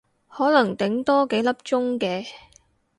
可能頂多幾粒鐘嘅